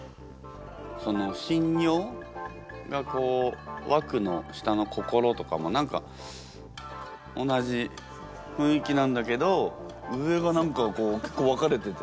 そのしんにょうがこう「惑」の下の「心」とかも何か同じ雰囲気なんだけど上が何かこう結構分かれててね。